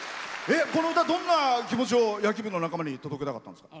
この歌、どんな気持ちを野球の仲間に届けたかったんですか？